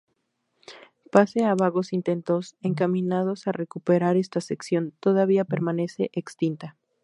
Pese a vagos intentos encaminados a recuperar esta sección, todavía permanece extinta.